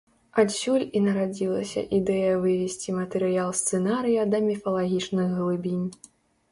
Адсюль і нарадзілася ідэя вывесці матэрыял сцэнарыя да міфалагічных глыбінь.